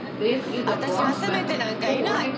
私は責めてなんかいない！